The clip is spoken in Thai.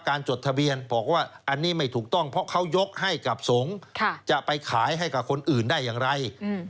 จดทะเบียนบอกว่าอันนี้ไม่ถูกต้องเพราะเขายกให้กับสงฆ์จะไปขายให้กับคนอื่นได้อย่างไร